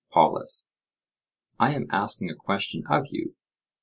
POLUS: I am asking a question of you.